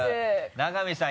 永見さん